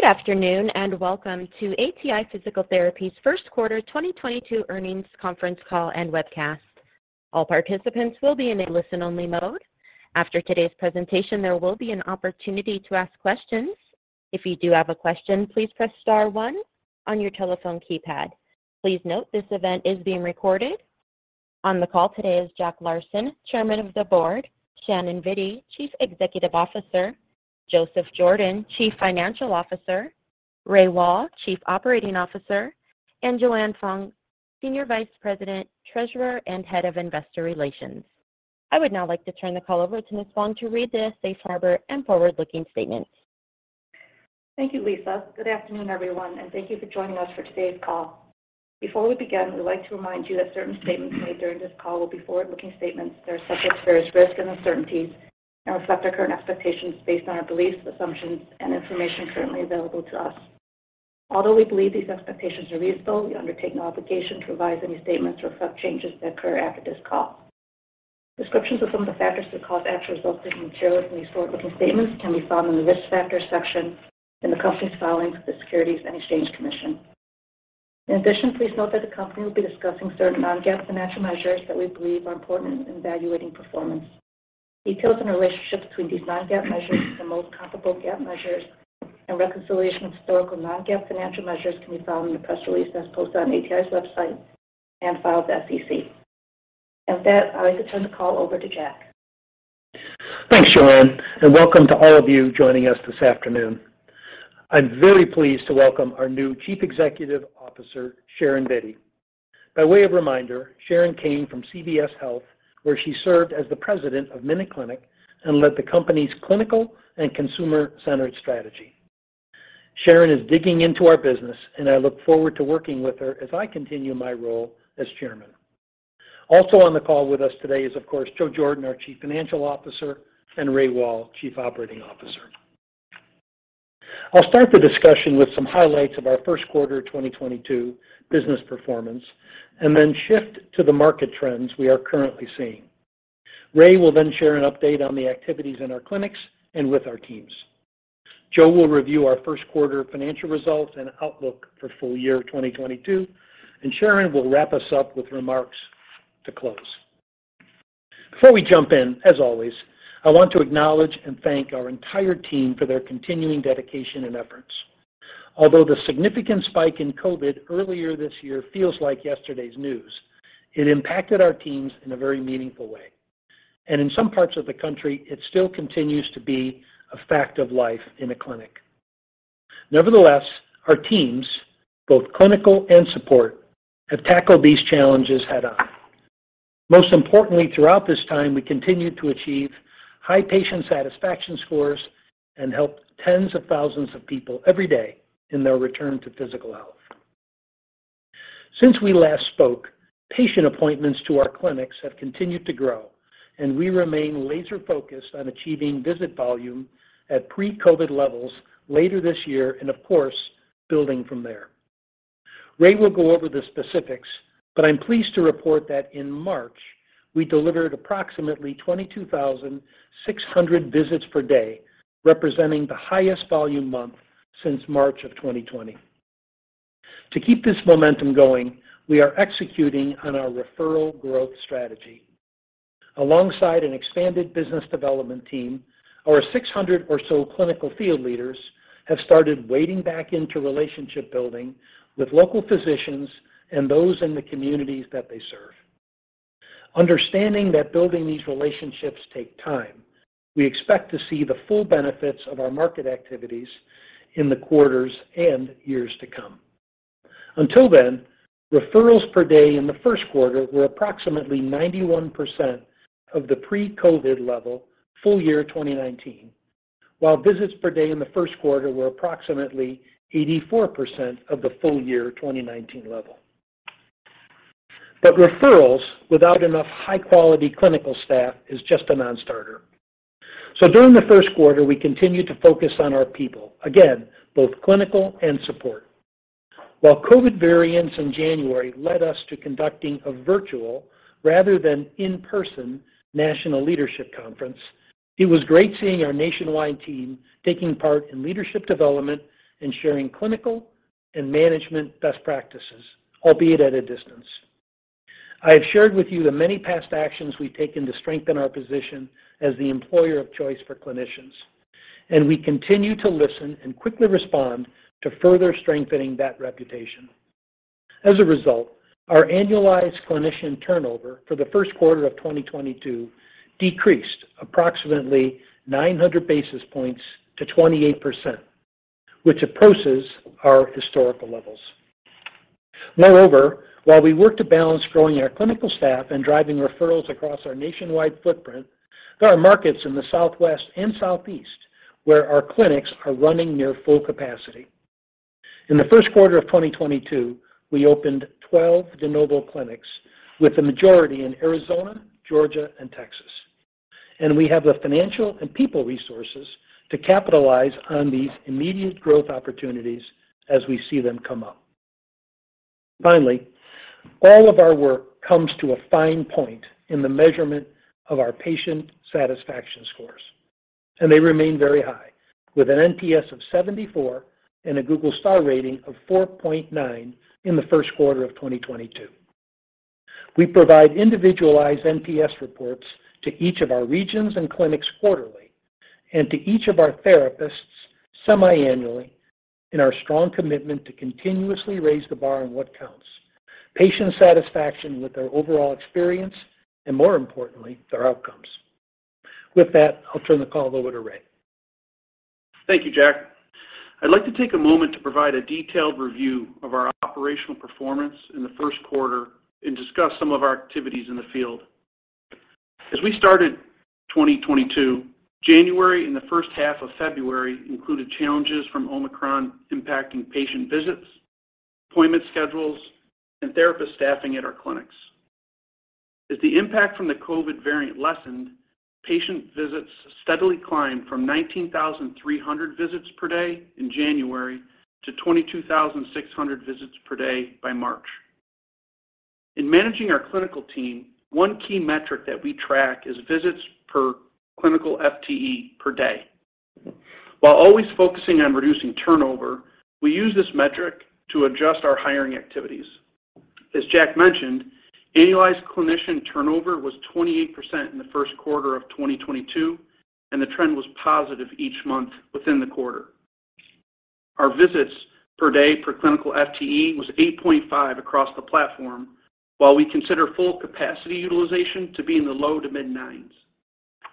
Good afternoon, and welcome to ATI Physical Therapy's first quarter 2022 earnings conference call and webcast. All participants will be in a listen-only mode. After today's presentation, there will be an opportunity to ask questions. If you do have a question, please press star one on your telephone keypad. Please note this event is being recorded. On the call today is Jack Larsen, Chairman of the Board, Sharon Vitti, Chief Executive Officer, Joseph Jordan, Chief Financial Officer, Ray Wahl, Chief Operating Officer, and Joanne Fong, Senior Vice President, Treasurer, and Head of investor relations. I would now like to turn the call over to Ms. Fong to read the safe harbor and forward-looking statements. Thank you, Lisa. Good afternoon, everyone, and thank you for joining us for today's call. Before we begin, we'd like to remind you that certain statements made during this call will be forward-looking statements that are subject to various risks and uncertainties and reflect our current expectations based on our beliefs, assumptions, and information currently available to us. Although we believe these expectations are reasonable, we undertake no obligation to revise any statements to reflect changes that occur after this call. Descriptions of some of the factors that cause actual results to differ materially from these forward-looking statements can be found in the Risk Factors section in the company's filings with the Securities and Exchange Commission. In addition, please note that the company will be discussing certain non-GAAP financial measures that we believe are important in evaluating performance. Details and the relationship between these non-GAAP measures and the most comparable GAAP measures and reconciliation of historical non-GAAP financial measures can be found in the press release as posted on ATI's website and filed with the SEC. With that, I'd like to turn the call over to Jack. Thanks, Joanne, and welcome to all of you joining us this afternoon. I'm very pleased to welcome our new Chief Executive Officer, Sharon Vitti. By way of reminder, Sharon came from CVS Health, where she served as the President of MinuteClinic and led the company's clinical and consumer-centered strategy. Sharon is digging into our business, and I look forward to working with her as I continue my role as Chairman. Also on the call with us today is, of course, Joe Jordan, our Chief Financial Officer, and Ray Wahl, Chief Operating Officer. I'll start the discussion with some highlights of our first quarter 2022 business performance and then shift to the market trends we are currently seeing. Ray will then share an update on the activities in our clinics and with our teams. Joe will review our first quarter financial results and outlook for full year 2022, and Sharon will wrap us up with remarks to close. Before we jump in, as always, I want to acknowledge and thank our entire team for their continuing dedication and efforts. Although the significant spike in COVID earlier this year feels like yesterday's news, it impacted our teams in a very meaningful way. In some parts of the country, it still continues to be a fact of life in a clinic. Nevertheless, our teams, both clinical and support, have tackled these challenges head-on. Most importantly, throughout this time, we continued to achieve high patient satisfaction scores and helped tens of thousands of people every day in their return to physical health. Since we last spoke, patient appointments to our clinics have continued to grow, and we remain laser-focused on achieving visit volume at pre-COVID levels later this year and, of course, building from there. Ray will go over the specifics, but I'm pleased to report that in March, we delivered approximately 22,600 visits per day, representing the highest volume month since March of 2020. To keep this momentum going, we are executing on our referral growth strategy. Alongside an expanded business development team, our 600 or so clinical field leaders have started wading back into relationship building with local physicians and those in the communities that they serve. Understanding that building these relationships take time, we expect to see the full benefits of our market activities in the quarters and years to come. Until then, referrals per day in the first quarter were approximately 91% of the pre-COVID level full year 2019, while visits per day in the first quarter were approximately 84% of the full year 2019 level. Referrals without enough high-quality clinical staff is just a non-starter. During the first quarter, we continued to focus on our people, again, both clinical and support. While COVID variants in January led us to conducting a virtual rather than in-person National Leadership Conference, it was great seeing our nationwide team taking part in leadership development and sharing clinical and management best practices, albeit at a distance. I have shared with you the many past actions we've taken to strengthen our position as the employer of choice for clinicians, and we continue to listen and quickly respond to further strengthening that reputation. As a result, our annualized clinician turnover for the first quarter of 2022 decreased approximately 900 basis points to 28%, which approaches our historical levels. Moreover, while we work to balance growing our clinical staff and driving referrals across our nationwide footprint, there are markets in the Southwest and Southeast where our clinics are running near full capacity. In the first quarter of 2022, we opened 12 de novo clinics, with the majority in Arizona, Georgia, and Texas. We have the financial and people resources to capitalize on these immediate growth opportunities as we see them come up. Finally, all of our work comes to a fine point in the measurement of our patient satisfaction scores, and they remain very high with an NPS of 74 and a Google star rating of 4.9 in the first quarter of 2022. We provide individualized NPS reports to each of our regions and clinics quarterly and to each of our therapists semiannually in our strong commitment to continuously raise the bar on what counts, patient satisfaction with their overall experience, and more importantly, their outcomes. With that, I'll turn the call over to Ray. Thank you, Jack. I'd like to take a moment to provide a detailed review of our operational performance in the first quarter and discuss some of our activities in the field. As we started 2022, January and the first half of February included challenges from Omicron impacting patient visits, appointment schedules, and therapist staffing at our clinics. As the impact from the COVID variant lessened, patient visits steadily climbed from 19,300 visits per day in January to 22,600 visits per day by March. In managing our clinical team, one key metric that we track is visits per clinical FTE per day. While always focusing on reducing turnover, we use this metric to adjust our hiring activities. As Jack mentioned, annualized clinician turnover was 28% in the first quarter of 2022, and the trend was positive each month within the quarter. Our visits per day per clinical FTE was 8.5 across the platform, while we consider full capacity utilization to be in the low- to mid-9s.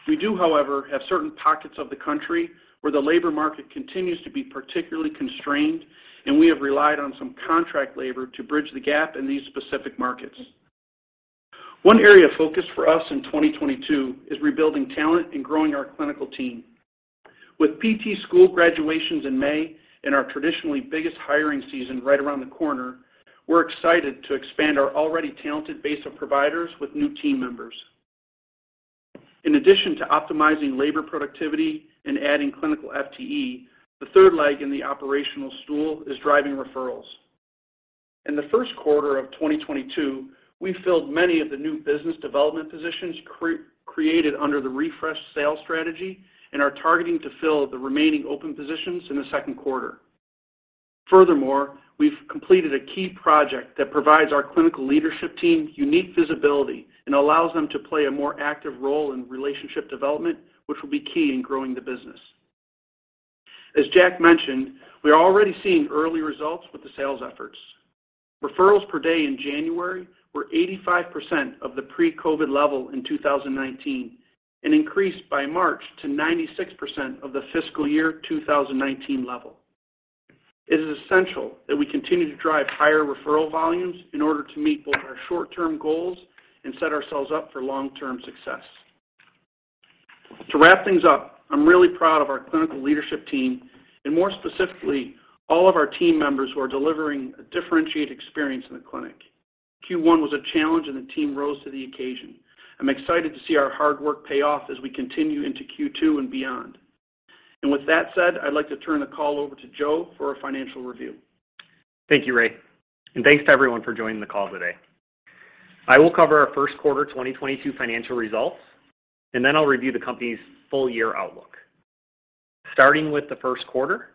We do, however, have certain pockets of the country where the labor market continues to be particularly constrained, and we have relied on some contract labor to bridge the gap in these specific markets. One area of focus for us in 2022 is rebuilding talent and growing our clinical team. With PT school graduations in May and our traditionally biggest hiring season right around the corner, we're excited to expand our already talented base of providers with new team members. In addition to optimizing labor productivity and adding clinical FTE, the third leg in the operational stool is driving referrals. In the first quarter of 2022, we filled many of the new business development positions created under the refreshed sales strategy and are targeting to fill the remaining open positions in the second quarter. Furthermore, we've completed a key project that provides our clinical leadership team unique visibility and allows them to play a more active role in relationship development, which will be key in growing the business. As Jack mentioned, we are already seeing early results with the sales efforts. Referrals per day in January were 85% of the pre-COVID level in 2019 and increased by March to 96% of the fiscal year 2019 level. It is essential that we continue to drive higher referral volumes in order to meet both our short-term goals and set ourselves up for long-term success. To wrap things up, I'm really proud of our clinical leadership team and more specifically, all of our team members who are delivering a differentiated experience in the clinic. Q1 was a challenge, and the team rose to the occasion. I'm excited to see our hard work pay off as we continue into Q2 and beyond. With that said, I'd like to turn the call over to Joe for a financial review. Thank you, Ray, and thanks to everyone for joining the call today. I will cover our Q1 2022 financial results, and then I'll review the company's full-year outlook. Starting with the first quarter,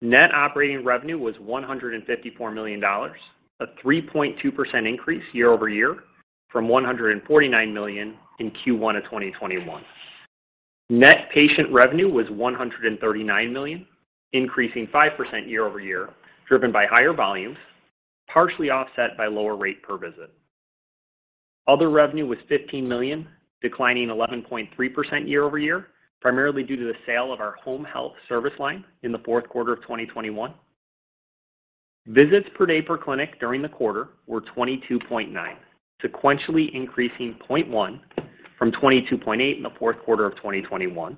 net operating revenue was $154 million, a 3.2% increase year-over-year from $149 million in Q1 2021. Net patient revenue was $139 million, increasing 5% year-over-year, driven by higher volumes, partially offset by lower rate per visit. Other revenue was $15 million, declining 11.3% year-over-year, primarily due to the sale of our home health service line in Q4 2021. Visits per day per clinic during the quarter were 22.9, sequentially increasing 0.1 from 22.8 in Q4 2021.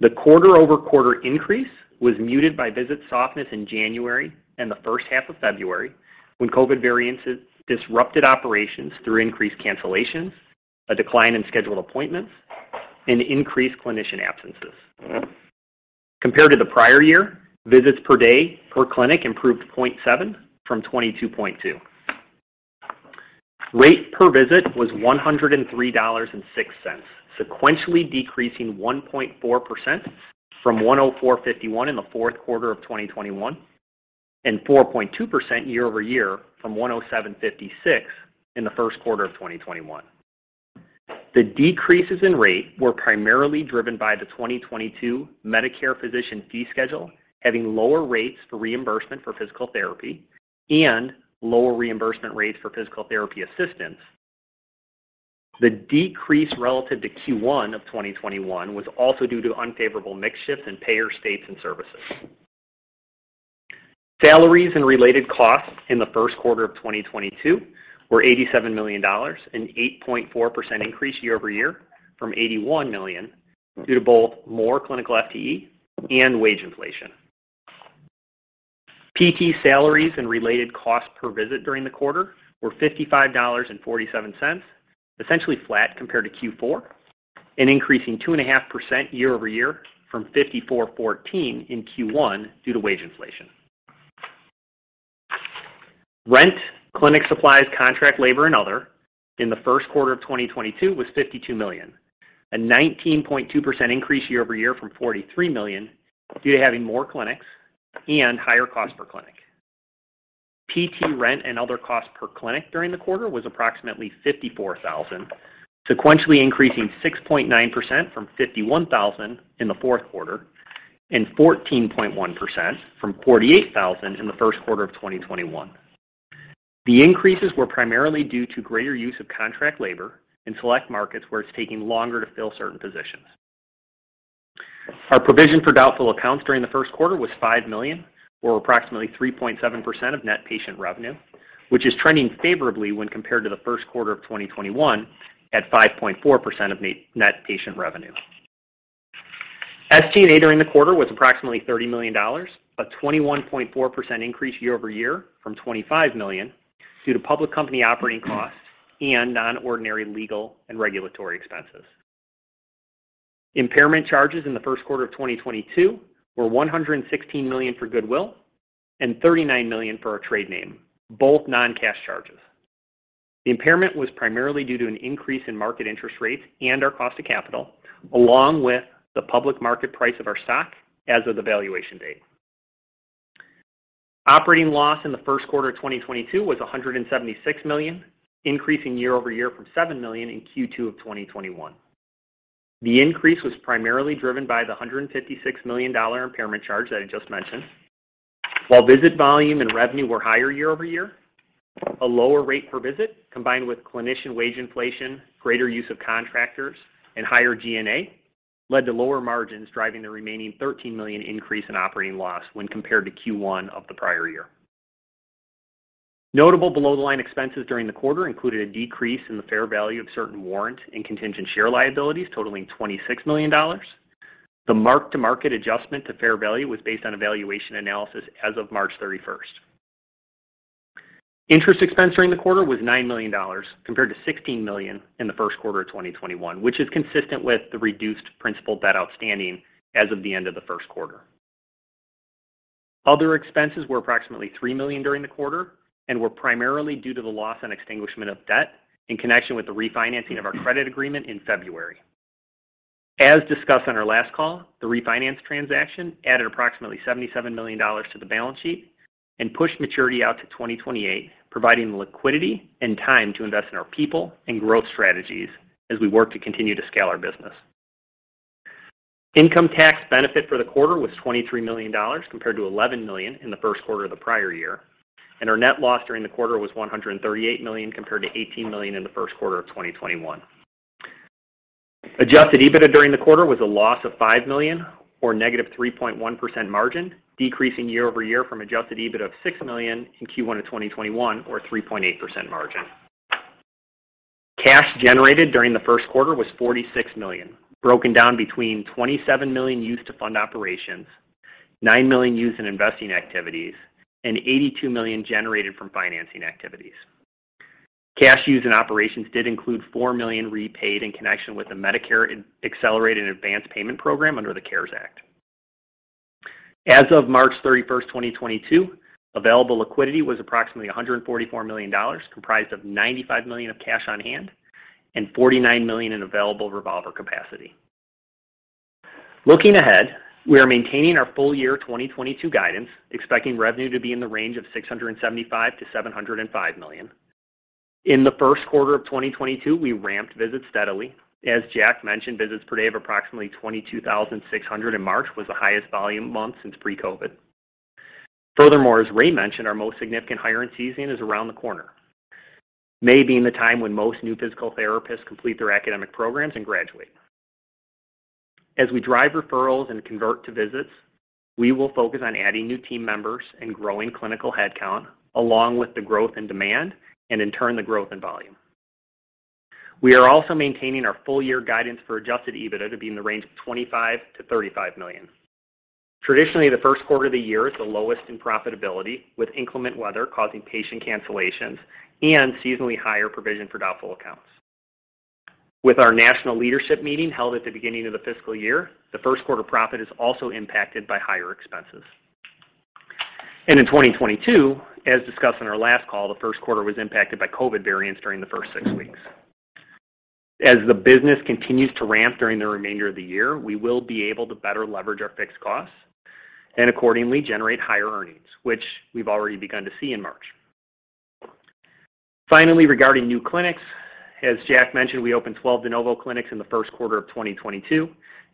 The quarter-over-quarter increase was muted by visit softness in January and the first half of February when COVID variants disrupted operations through increased cancellations, a decline in scheduled appointments, and increased clinician absences. Compared to the prior year, visits per day per clinic improved 0.7 from 22.2. Rate per visit was $103.06, sequentially decreasing 1.4% from $104.51 in the fourth quarter of 2021 and 4.2% year-over-year from $107.56 in the first quarter of 2021. The decreases in rate were primarily driven by the 2022 Medicare Physician Fee Schedule having lower rates for reimbursement for physical therapy and lower reimbursement rates for physical therapy assistants. The decrease relative to Q1 of 2021 was also due to unfavorable mix shifts in payer states and services. Salaries and related costs in the first quarter of 2022 were $87 million, an 8.4% increase year-over-year from $81 million due to both more clinical FTE and wage inflation. PT salaries and related costs per visit during the quarter were $55.47, essentially flat compared to Q4 and increasing 2.5% year-over-year from $54.14 in Q1 due to wage inflation. Rent, clinic supplies, contract labor, and other in the first quarter of 2022 was $52 million. A 19.2% increase year-over-year from $43 million due to having more clinics and higher cost per clinic. PT rent and other costs per clinic during the quarter was approximately $54,000, sequentially increasing 6.9% from $51,000 in the fourth quarter and 14.1% from $48,000 in the first quarter of 2021. The increases were primarily due to greater use of contract labor in select markets where it's taking longer to fill certain positions. Our provision for doubtful accounts during the first quarter was $5 million or approximately 3.7% of net patient revenue, which is trending favorably when compared to the first quarter of 2021 at 5.4% of net patient revenue. SG&A during the quarter was approximately $30 million, a 21.4% increase year-over-year from $25 million due to public company operating costs and non-ordinary legal and regulatory expenses. Impairment charges in the first quarter of 2022 were $116 million for goodwill and $39 million for our trade name, both non-cash charges. The impairment was primarily due to an increase in market interest rates and our cost of capital, along with the public market price of our stock as of the valuation date. Operating loss in the first quarter of 2022 was $176 million, increasing year-over-year from $7 million in Q2 of 2021. The increase was primarily driven by the $156 million impairment charge that I just mentioned. While visit volume and revenue were higher year-over-year, a lower rate per visit, combined with clinician wage inflation, greater use of contractors, and higher G&A led to lower margins, driving the remaining $13 million increase in operating loss when compared to Q1 of the prior year. Notable below-the-line expenses during the quarter included a decrease in the fair value of certain warrants and contingent share liabilities totaling $26 million. The mark-to-market adjustment to fair value was based on a valuation analysis as of March 31st. Interest expense during the quarter was $9 million, compared to $16 million in the first quarter of 2021, which is consistent with the reduced principal debt outstanding as of the end of the first quarter. Other expenses were approximately $3 million during the quarter and were primarily due to the loss on extinguishment of debt in connection with the refinancing of our credit agreement in February. As discussed on our last call, the refinance transaction added approximately $77 million to the balance sheet and pushed maturity out to 2028, providing the liquidity and time to invest in our people and growth strategies as we work to continue to scale our business. Income tax benefit for the quarter was $23 million, compared to $11 million in the first quarter of the prior year. Our net loss during the quarter was $138 million, compared to $18 million in the first quarter of 2021. Adjusted EBITDA during the quarter was a loss of $5 million or -3.1% margin, decreasing year-over-year from adjusted EBITDA of $6 million in Q1 of 2021 or 3.8% margin. Cash generated during the first quarter was $46 million, broken down between $27 million used to fund operations, $9 million used in investing activities, and $82 million generated from financing activities. Cash used in operations did include $4 million repaid in connection with the Medicare Accelerated and Advance Payment Program under the CARES Act. As of March 31st, 2022, available liquidity was approximately $144 million, comprised of $95 million of cash on hand and $49 million in available revolver capacity. Looking ahead, we are maintaining our full year 2022 guidance, expecting revenue to be in the range of $675 million-$705 million. In the first quarter of 2022, we ramped visits steadily. As Jack mentioned, visits per day of approximately 22,600 in March was the highest volume month since pre-COVID. Furthermore, as Ray mentioned, our most significant hiring season is around the corner. May being the time when most new physical therapists complete their academic programs and graduate. As we drive referrals and convert to visits, we will focus on adding new team members and growing clinical headcount, along with the growth in demand and in turn, the growth in volume. We are also maintaining our full year guidance for adjusted EBITDA to be in the range of $25 million-$35 million. Traditionally, the first quarter of the year is the lowest in profitability, with inclement weather causing patient cancellations and seasonally higher provision for doubtful accounts. With our National Leadership Conference held at the beginning of the fiscal year, the first quarter profit is also impacted by higher expenses. In 2022, as discussed on our last call, the first quarter was impacted by COVID variants during the first six weeks. As the business continues to ramp during the remainder of the year, we will be able to better leverage our fixed costs and accordingly generate higher earnings, which we've already begun to see in March. Finally, regarding new clinics, as Jack mentioned, we opened 12 de novo clinics in the first quarter of 2022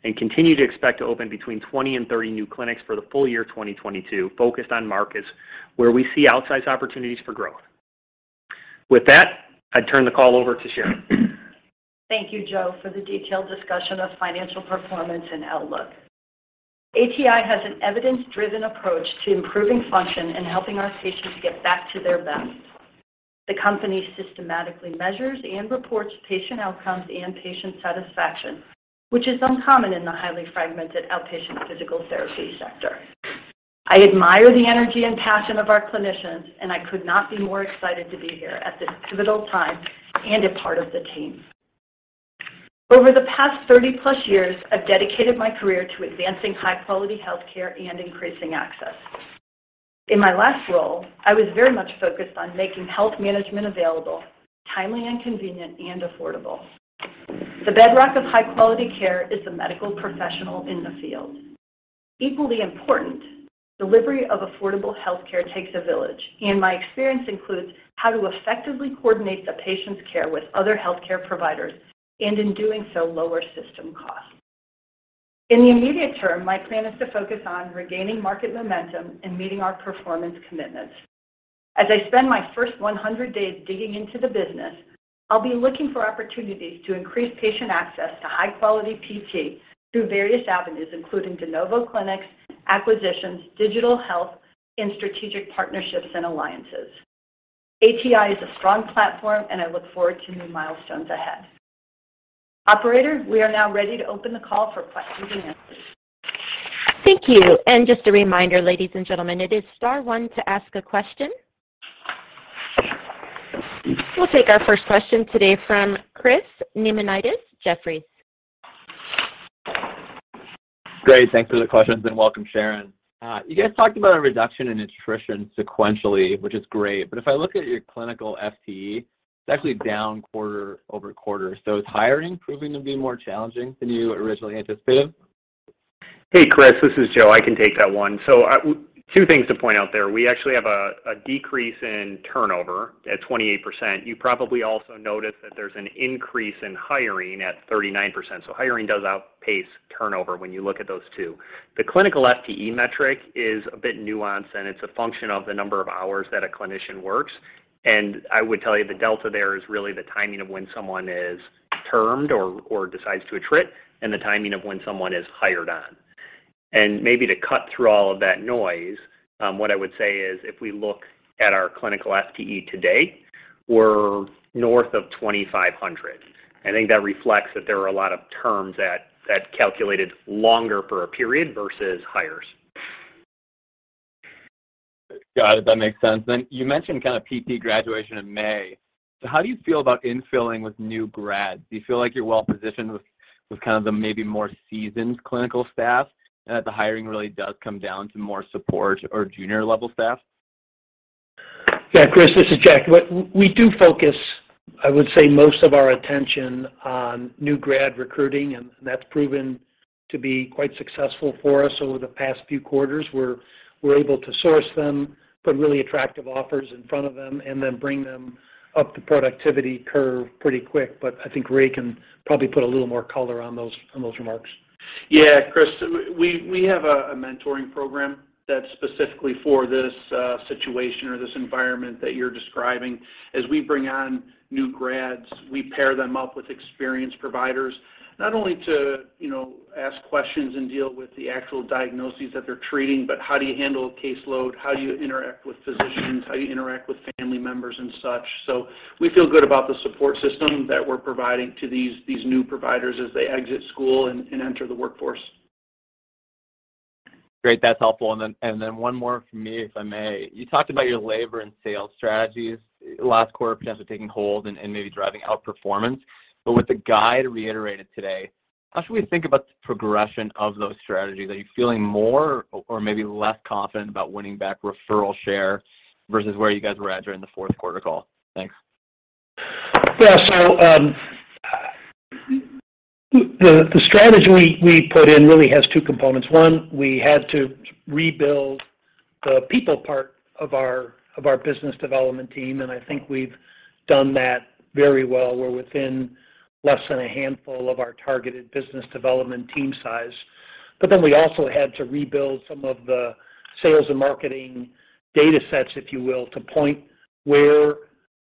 and continue to expect to open between 20 and 30 new clinics for the full year 2022, focused on markets where we see outsized opportunities for growth. With that, I turn the call over to Sharon. Thank you, Joe, for the detailed discussion of financial performance and outlook. ATI has an evidence-driven approach to improving function and helping our patients get back to their best. The company systematically measures and reports patient outcomes and patient satisfaction, which is uncommon in the highly fragmented outpatient physical therapy sector. I admire the energy and passion of our clinicians, and I could not be more excited to be here at this pivotal time and a part of the team. Over the past 30+ years, I've dedicated my career to advancing high-quality health care and increasing access. In my last role, I was very much focused on making health management available, timely and convenient, and affordable. The bedrock of high-quality care is the medical professional in the field. Equally important, delivery of affordable health care takes a village, and my experience includes how to effectively coordinate the patient's care with other healthcare providers and in doing so lower system costs. In the immediate term, my plan is to focus on regaining market momentum and meeting our performance commitments. As I spend my first 100 days digging into the business, I'll be looking for opportunities to increase patient access to high-quality PT through various avenues, including de novo clinics, acquisitions, digital health, and strategic partnerships and alliances. ATI is a strong platform, and I look forward to new milestones ahead. Operator, we are now ready to open the call for questions-and-answers. Thank you. Just a reminder, ladies and gentlemen, it is star one to ask a question. We'll take our first question today from Chris Neamonitis, Jefferies. Great. Thanks for the questions and welcome, Sharon. You guys talked about a reduction in attrition sequentially, which is great. If I look at your clinical FTE, it's actually down quarter over quarter. Is hiring proving to be more challenging than you originally anticipated? Hey, Chris, this is Joe. I can take that one. Two things to point out there. We actually have a decrease in turnover at 28%. You probably also noticed that there's an increase in hiring at 39%. Hiring does outpace turnover when you look at those two. The clinical FTE metric is a bit nuanced, and it's a function of the number of hours that a clinician works. I would tell you the delta there is really the timing of when someone is termed or decides to attrit and the timing of when someone is hired on. Maybe to cut through all of that noise, what I would say is if we look at our clinical FTE today, we're north of 2,500. I think that reflects that there are a lot of terms that calculated longer for a period versus hires. Got it. That makes sense. You mentioned kind of PT graduation in May. How do you feel about infilling with new grads? Do you feel like you're well positioned with kind of the maybe more seasoned clinical staff, and that the hiring really does come down to more support or junior level staff? Yeah. Chris, this is Jack. We do focus, I would say, most of our attention on new grad recruiting, and that's proven to be quite successful for us over the past few quarters. We're able to source them, put really attractive offers in front of them, and then bring them up the productivity curve pretty quick. I think Ray can probably put a little more color on those remarks. Yeah, Chris, we have a mentoring program that's specifically for this situation or this environment that you're describing. As we bring on new grads, we pair them up with experienced providers, not only to, you know, ask questions and deal with the actual diagnoses that they're treating, but how do you handle a caseload, how do you interact with physicians, how do you interact with family members and such. We feel good about the support system that we're providing to these new providers as they exit school and enter the workforce. Great. That's helpful. Then one more from me, if I may. You talked about your labor and sales strategies last quarter potentially taking hold and maybe driving out performance. With the guide reiterated today, how should we think about the progression of those strategies? Are you feeling more or maybe less confident about winning back referral share versus where you guys were at during the fourth quarter call? Thanks. Yeah. The strategy we put in really has two components. One, we had to rebuild the people part of our business development team, and I think we've done that very well. We're within less than a handful of our targeted business development team size. We also had to rebuild some of the sales and marketing data sets, if you will, to the point where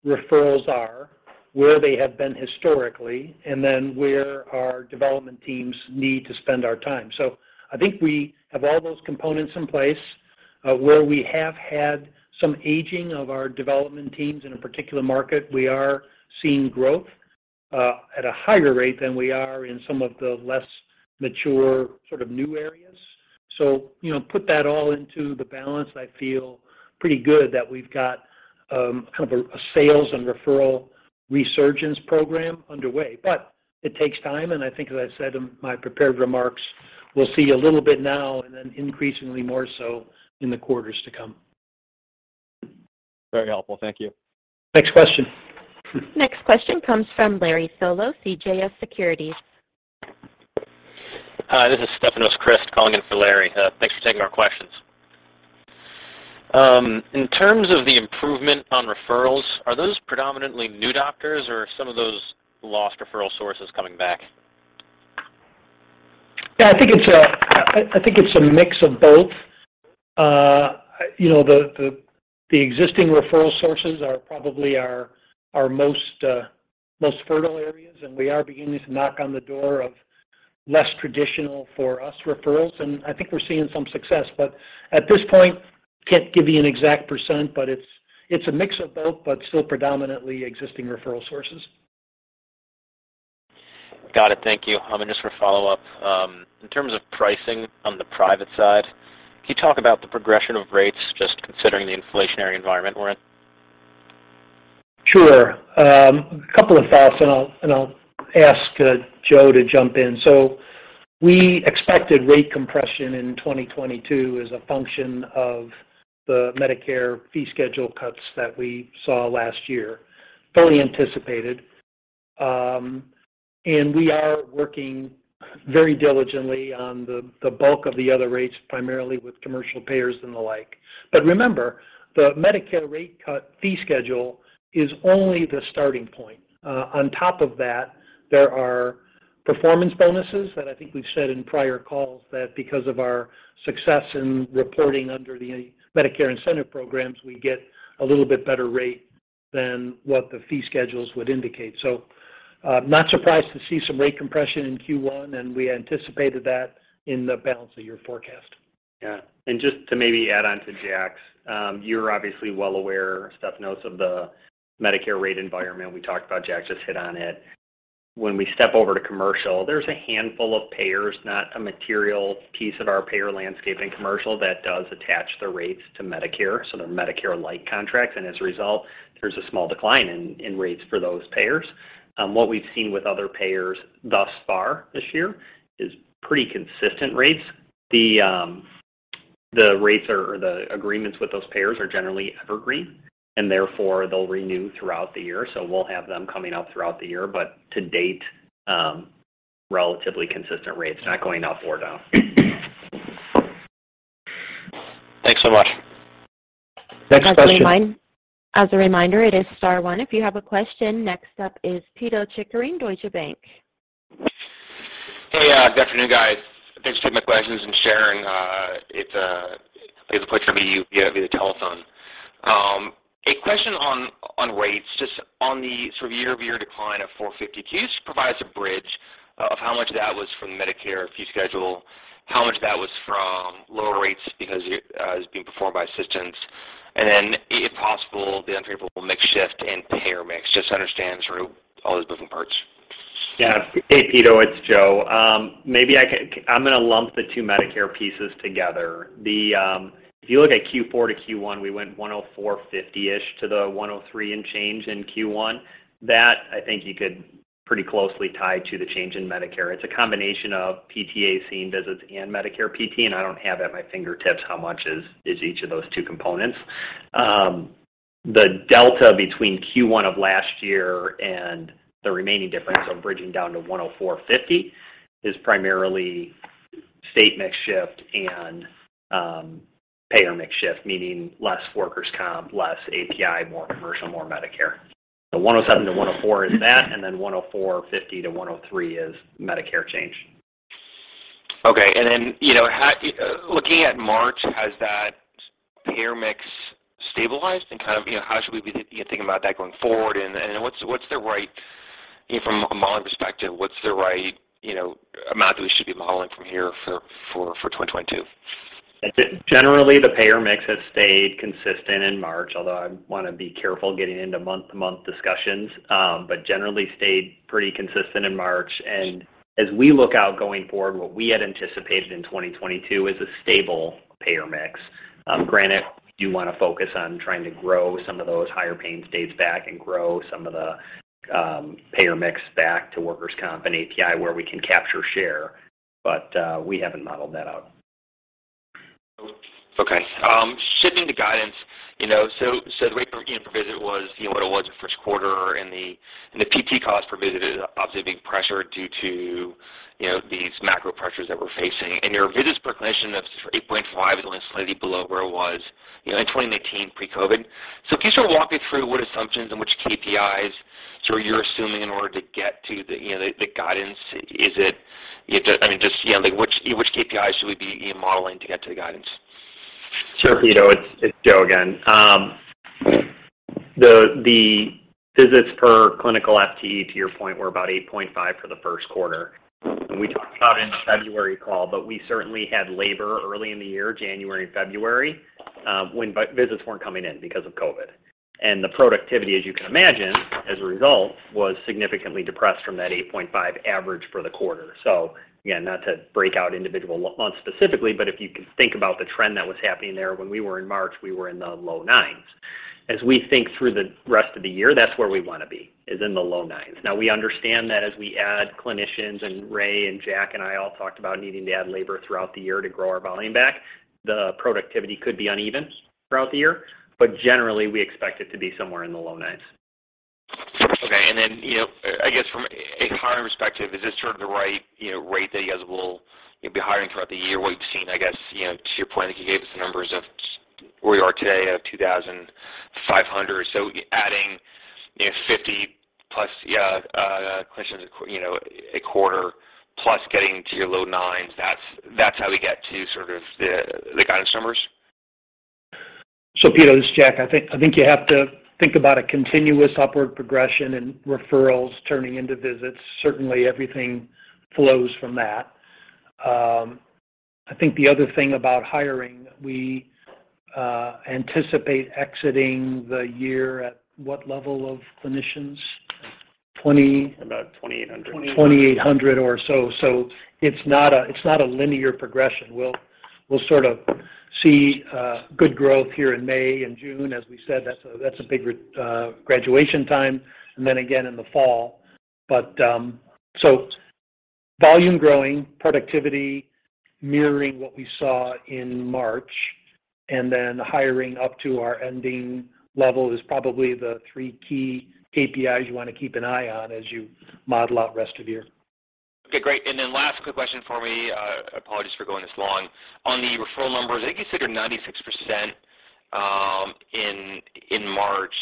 referrals are where they have been historically, and then where our development teams need to spend our time. I think we have all those components in place, where we have had some aging of our development teams in a particular market. We are seeing growth at a higher rate than we are in some of the less mature sort of new areas. You know, put that all into the balance. I feel pretty good that we've got, kind of a sales and referral resurgence program underway. It takes time, and I think as I said in my prepared remarks, we'll see a little bit now and then increasingly more so in the quarters to come. Very helpful. Thank you. Next question. Next question comes from Larry Solow, CJS Securities. Hi, this is Stefanos Crist calling in for Larry. Thanks for taking our questions. In terms of the improvement on referrals, are those predominantly new doctors or some of those lost referral sources coming back? Yeah, I think it's a mix of both. You know, the existing referral sources are probably our most fertile areas, and we are beginning to knock on the door of less traditional for us referrals. I think we're seeing some success. At this point, can't give you an exact percent, but it's a mix of both, but still predominantly existing referral sources. Got it. Thank you. Just for follow-up, in terms of pricing on the private side, can you talk about the progression of rates just considering the inflationary environment we're in? Sure. A couple of thoughts, and I'll ask Joe to jump in. We expected rate compression in 2022 as a function of the Medicare fee schedule cuts that we saw last year, fully anticipated. We are working very diligently on the bulk of the other rates, primarily with commercial payers and the like. Remember, the Medicare rate cut fee schedule is only the starting point. On top of that, there are performance bonuses that I think we've said in prior calls that because of our success in reporting under the Medicare incentive programs, we get a little bit better rate than what the fee schedules would indicate. Not surprised to see some rate compression in Q1, and we anticipated that in the balance of year forecast. Yeah. Just to maybe add on to Jack's, you're obviously well aware. Stefanos knows of the Medicare rate environment. We talked about. Jack just hit on it. When we step over to commercial, there's a handful of payers, not a material piece of our payer landscape in commercial that does attach the rates to Medicare, so they're Medicare-like contracts. As a result, there's a small decline in rates for those payers. What we've seen with other payers thus far this year is pretty consistent rates. The rates or the agreements with those payers are generally evergreen, and therefore, they'll renew throughout the year. We'll have them coming out throughout the year. To date, relatively consistent rates, not going up or down. Thanks so much. Next question. As a reminder, it is star one if you have a question. Next up is Pito Chickering, Deutsche Bank. Hey, good afternoon, guys. Thanks for taking my questions and sharing. It's a pleasure to meet you via the telephone. A question on rates, just on the sort of year-over-year decline of 450. Can you just provide us a bridge of how much of that was from the Medicare Fee Schedule, how much that was from lower rates because it is being performed by assistants? If possible, the unfavorable mix shift and payer mix, just to understand sort of all those moving parts. Hey, Pito, it's Joe. I'm gonna lump the two Medicare pieces together. If you look at Q4 to Q1, we went $104.50-ish to the $103 and change in Q1. That, I think you could pretty closely tie to the change in Medicare. It's a combination of PTA seen visits and Medicare PT, and I don't have at my fingertips how much is each of those two components. The delta between Q1 of last year and the remaining difference of bridging down to $104.50 is primarily state mix shift and payer mix shift, meaning less workers' comp, less API, more commercial, more Medicare. The $107-$104 is that, and then $104.50-$103 is Medicare change. Okay. You know, looking at March, has that payer mix stabilized? Kind of, you know, how should we be thinking about that going forward? What's the right, you know, from a modeling perspective, what's the right, you know, amount that we should be modeling from here for 2022? Generally, the payer mix has stayed pretty consistent in March, although I wanna be careful getting into month-to-month discussions. As we look out going forward, what we had anticipated in 2022 is a stable payer mix. Granted, you wanna focus on trying to grow some of those higher paying states back and grow some of the payer mix back to workers' comp and API where we can capture share, but we haven't modeled that out. Okay. Shifting to guidance, you know, so the rate per, you know, per visit was, you know, what it was in first quarter, and the PT cost per visit is obviously being pressured due to, you know, these macro pressures that we're facing. Your visits per clinician of 8.5 is only slightly below where it was, you know, in 2019 pre-COVID. Can you sort of walk me through what assumptions and which KPIs sort of you're assuming in order to get to the guidance? I mean, just, you know, like, which KPIs should we be, you know, modeling to get to the guidance? Sure, Pito. It's Joe again. The visits per clinical FTE, to your point, were about 8.5 for the first quarter. We talked about it in the February call, but we certainly had labor early in the year, January and February, when visits weren't coming in because of COVID. The productivity, as you can imagine, as a result, was significantly depressed from that 8.5 average for the quarter. Again, not to break out individual months specifically, but if you can think about the trend that was happening there when we were in March, we were in the low nines. As we think through the rest of the year, that's where we wanna be, is in the low nines. Now, we understand that as we add clinicians, and Ray Wahl and Jack Larsen and I all talked about needing to add labor throughout the year to grow our volume back, the productivity could be uneven throughout the year. Generally, we expect it to be somewhere in the low nines. Okay. You know, I guess from a hiring perspective, is this sort of the right, you know, rate that you'll be hiring throughout the year? What you've seen, I guess, you know, to your point, I think you gave us the numbers of where you are today at 2,500. Adding, you know, 50+ clinicians a quarter plus getting to your low nines, that's how we get to sort of the guidance numbers? Pito, this is Jack. I think you have to think about a continuous upward progression in referrals turning into visits. Certainly, everything flows from that. I think the other thing about hiring, we anticipate exiting the year at what level of clinicians? 20- About 2,800. 2,800 or so. It's not a linear progression. We'll sort of see good growth here in May and June. As we said, that's a big graduation time, and then again in the fall. Volume growing, productivity mirroring what we saw in March, and then hiring up to our ending level is probably the three key KPIs you wanna keep an eye on as you model out rest of the year. Okay, great. Last quick question for me, apologies for going this long. On the referral numbers, I think you said you're 96% in March.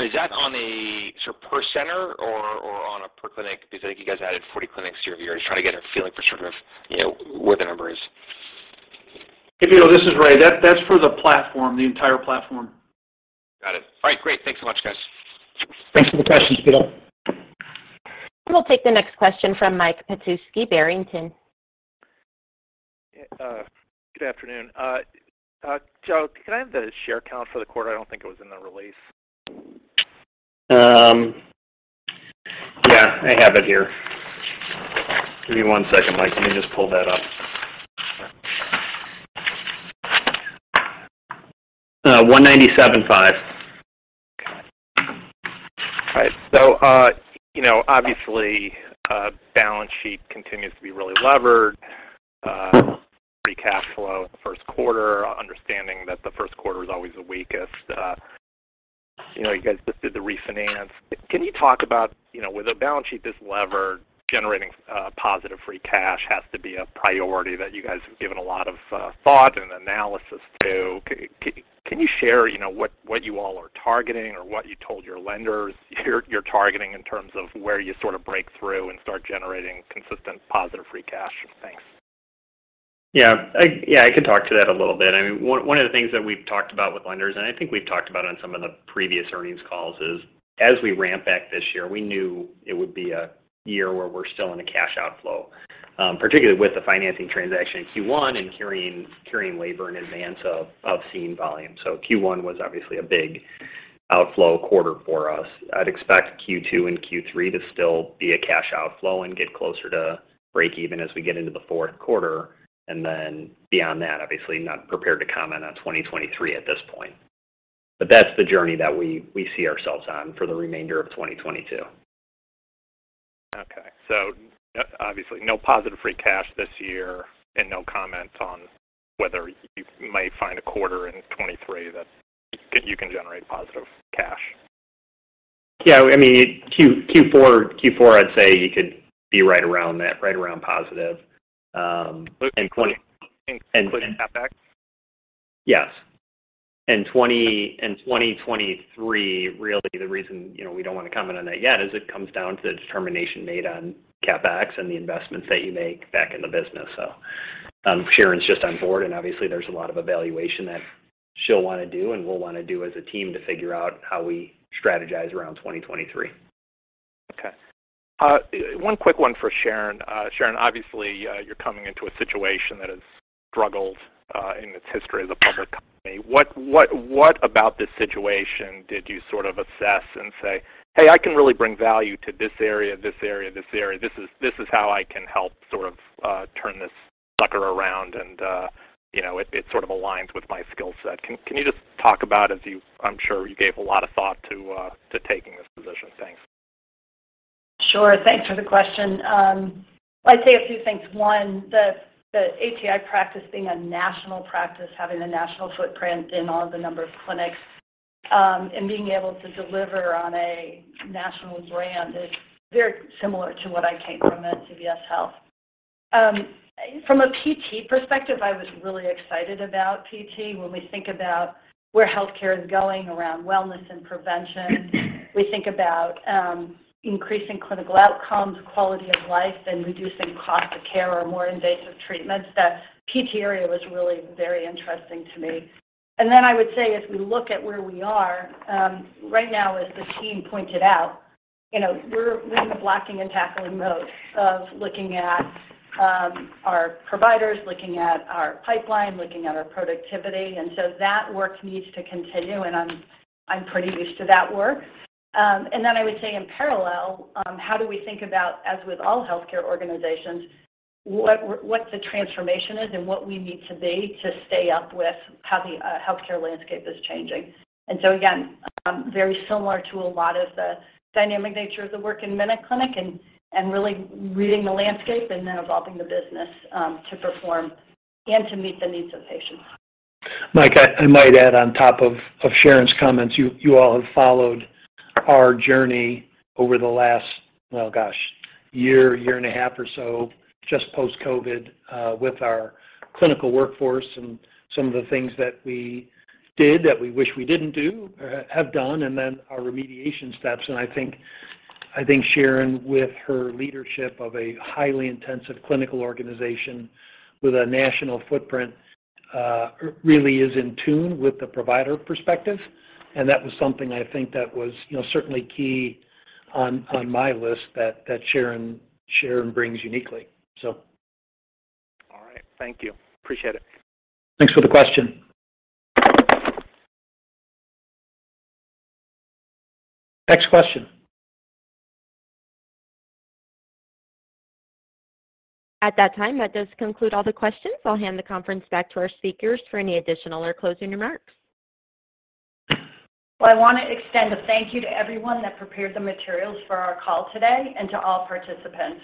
Is that on a sort of per center or on a per clinic? Because I think you guys added 40 clinics year-over-year. Just trying to get a feeling for sort of, you know, where the number is. Hey, Pito, this is Ray. That's for the platform, the entire platform. Got it. All right, great. Thanks so much, guys. Thanks for the question, Pito. We'll take the next question from Mike Petusky, Barrington Research. Yeah, good afternoon. Joe, can I have the share count for the quarter? I don't think it was in the release. Yeah, I have it here. Give me one second, Mike. Let me just pull that up. 1,975. Got it. All right. You know, obviously, balance sheet continues to be really levered, free cash flow in the first quarter, understanding that the first quarter is always the weakest. You know, you guys just did the refinance. Can you talk about, you know, with a balance sheet this levered, generating positive free cash has to be a priority that you guys have given a lot of thought and analysis to. Can you share, you know, what you all are targeting or what you told your lenders you're targeting in terms of where you sort of break through and start generating consistent positive free cash? Thanks. Yeah. I can talk to that a little bit. I mean, one of the things that we've talked about with lenders, and I think we've talked about on some of the previous earnings calls, is as we ramp back this year, we knew it would be a year where we're still in a cash outflow, particularly with the financing transaction in Q1 and carrying labor in advance of seeing volume. Q1 was obviously a big outflow quarter for us. I'd expect Q2 and Q3 to still be a cash outflow and get closer to break even as we get into the fourth quarter. Beyond that, obviously not prepared to comment on 2023 at this point. That's the journey that we see ourselves on for the remainder of 2022. Okay. Obviously, no positive free cash this year and no comments on whether you might find a quarter in 2023 that you can generate positive cash. Yeah. I mean, Q4, I'd say you could be right around that, right around positive, in twenty- Including CapEx? Yes. In 2023, really the reason, you know, we don't wanna comment on that yet is it comes down to the determination made on CapEx and the investments that you make back in the business. Sharon's just on board, and obviously there's a lot of evaluation that she'll wanna do and we'll wanna do as a team to figure out how we strategize around 2023. Okay. One quick one for Sharon. Sharon, obviously, you're coming into a situation that has struggled in its history as a public company. What about this situation did you sort of assess and say, "Hey, I can really bring value to this area. This is how I can help sort of turn this sucker around and, you know, it sort of aligns with my skill set." Can you just talk about as you, I'm sure you gave a lot of thought to taking this position. Thanks. Sure. Thanks for the question. I'd say a few things. One, the ATI practice being a national practice, having a national footprint in all the number of clinics, and being able to deliver on a national brand is very similar to what I came from at CVS Health. From a PT perspective, I was really excited about PT. When we think about where healthcare is going around wellness and prevention, we think about increasing clinical outcomes, quality of life, and reducing cost of care or more invasive treatments. The PT area was really very interesting to me. I would say as we look at where we are right now, as the team pointed out, you know, we're in the blocking and tackling mode of looking at our providers, looking at our pipeline, looking at our productivity. That work needs to continue, and I'm pretty used to that work. I would say in parallel, how do we think about, as with all healthcare organizations, what the transformation is and what we need to be to stay up with how the healthcare landscape is changing. Very similar to a lot of the dynamic nature of the work in MinuteClinic and really reading the landscape and then evolving the business to perform and to meet the needs of patients. Mike, I might add on top of Sharon's comments. You all have followed our journey over the last, well, gosh, year and a half or so, just post COVID, with our clinical workforce and some of the things that we did that we wish we didn't do, or have done, and then our remediation steps. I think Sharon, with her leadership of a highly intensive clinical organization with a national footprint, really is in tune with the provider perspective. That was something I think that was, you know, certainly key on my list that Sharon brings uniquely, so. All right. Thank you. Appreciate it. Thanks for the question. Next question. At that time, that does conclude all the questions. I'll hand the conference back to our speakers for any additional or closing remarks. Well, I wanna extend a thank you to everyone that prepared the materials for our call today and to all participants.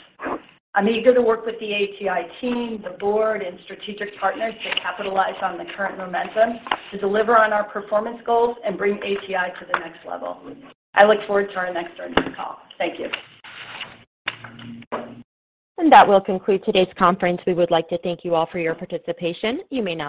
I'm eager to work with the ATI team, the board, and strategic partners to capitalize on the current momentum to deliver on our performance goals and bring ATI to the next level. I look forward to our next earnings call. Thank you. That will conclude today's conference. We would like to thank you all for your participation. You may now -.